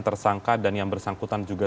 tersangka dan yang bersangkutan juga